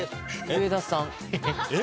上田さん。